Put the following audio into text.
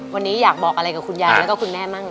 วันนี้อยากบอกอะไรกับคุณยายแล้วก็คุณแม่มั่ง